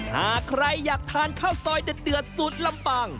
หากใครอยากทานข้าวซอยเดือดสูตรลำปาง